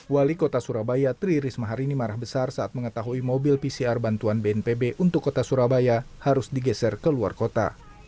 wali kota surabaya tri risma hari ini marah besar saat mengetahui mobil pcr bantuan bnpb untuk kota surabaya harus digeser ke luar kota